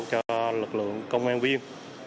cho lực lượng công an viên